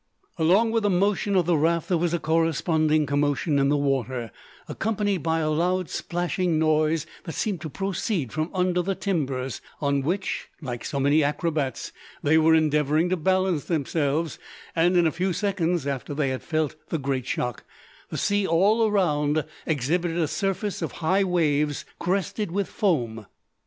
Along with the motion of the raft there was a corresponding commotion in the water, accompanied by a loud splashing noise that seemed to proceed from under the timbers, on which, like so many acrobats, they were endeavouring to balance themselves; and in a few seconds after they had felt the great shock, the sea all around exhibited a surface of high waves crested with foam!